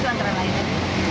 itu antara lainnya